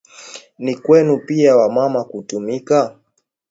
Ni kwenu wa mama pia kutumika